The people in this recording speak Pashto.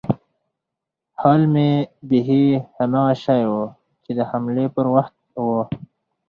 حال مې بيخي هماغه شى و چې د حملې پر وخت و.